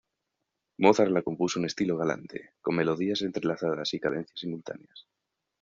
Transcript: Mozart la compuso en estilo "galante", con melodías entrelazadas y cadencias simultáneas.